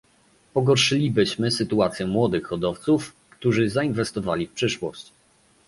Pogorszylibyśmy sytuację młodych hodowców, którzy zainwestowali w przyszłość